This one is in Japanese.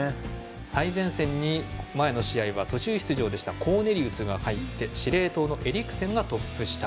最前線に、前の試合は途中出場でしたコーネリウスが入って司令塔のエリクセンがトップ下。